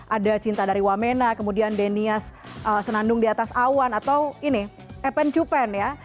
ada cinta dari wamena kemudian denias senandung di atas awan atau ini epen cupen ya